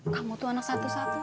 kamu tuh anak satu satu